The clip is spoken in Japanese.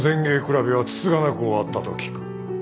比べはつつがなく終わったと聞く。